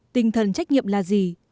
tinh thần trách nhiệm là gì